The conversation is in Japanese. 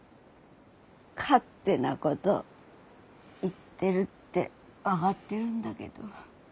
勝手なごど言ってるって分がってるんだけど。